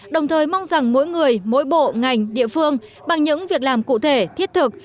đồng thời mong rằng mỗi người mỗi bộ ngành địa phương bằng những việc làm cụ thể thiết thực